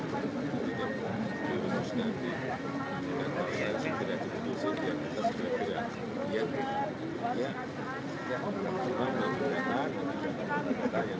karena rumah lupuk di pinggir pantai semuanya kan kayaknya ada kesimpakatan